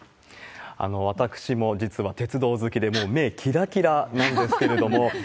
私も実は鉄道好きで、もう目きらきらなんですけれども。